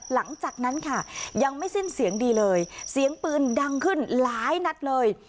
หลังจากนั้นค่ะยังไม่สิ้นเสียงดีเลยเสียงปืนดังขึ้นหลายนัดเลย